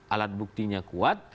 alat buktinya kuat